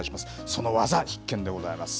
その技、必見でございます。